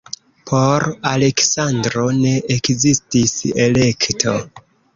Por Aleksandro ne ekzistis elekto.